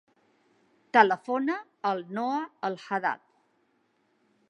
Telefona al Noah El Haddad.